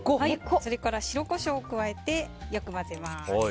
それから塩、コショウを加えてよく混ぜます。